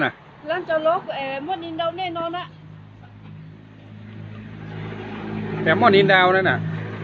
ล้านจังหลอกมัวนินดาวแน่นอน